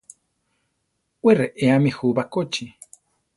Wé reéami jú bakóchi.